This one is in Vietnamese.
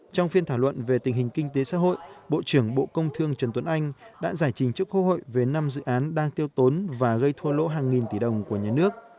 trong phiên thảo luận về tình hình kinh tế xã hội bộ trưởng bộ công thương trần tuấn anh đã giải trình trước quốc hội về năm dự án đang tiêu tốn và gây thua lỗ hàng nghìn tỷ đồng của nhà nước